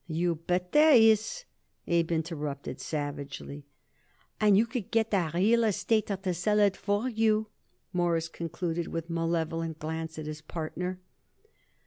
"You bet there is," Abe interrupted savagely. "And you could get a real estater to sell it for you," Morris concluded with malevolent glance at his partner.